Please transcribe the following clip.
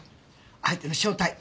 相手の正体